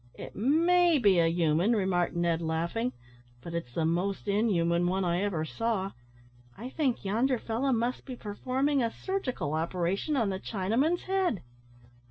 "It may be a human," remarked Ned, laughing, "but it's the most inhuman one I ever saw. I think yonder fellow must be performing a surgical operation on the Chinaman's head."